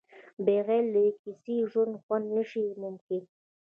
بغیر له کیسې د ژوند خوند نشي ممکن.